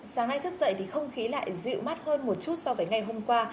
sáng nay thức dậy thì không khí lại dịu mát hơn một chút so với ngày hôm qua